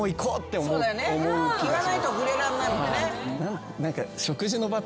言わないと触れらんないもんね。